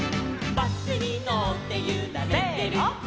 「バスにのってゆられてる」せの！